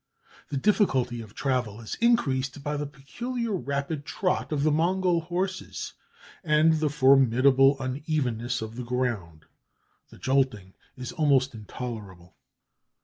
The difficulty of travel is increased by the peculiar rapid trot of the Mongol horses and the formidable unevenness of the ground. The jolting is almost intolerable.